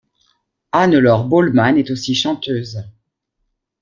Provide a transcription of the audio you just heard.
Hannelore Bollmann est aussi chanteuse.